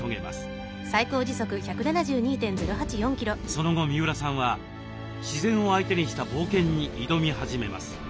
その後三浦さんは自然を相手にした冒険に挑み始めます。